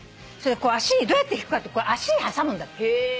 どうやって弾くかって脚に挟むんだって。